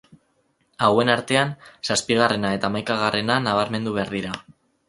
Hauen artean, zazpigarrena eta hamaikagarrena nabarmendu behar dira.